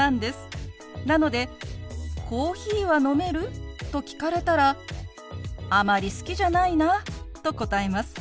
なので「コーヒーは飲める？」と聞かれたら「あまり好きじゃないな」と答えます。